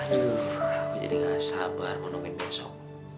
aduh aku jadi gak sabar mau nungguin besok